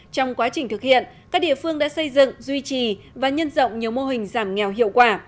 trong quá trình thực hiện các địa phương đã xây dựng duy trì và nhân rộng nhiều mô hình giảm nghèo hiệu quả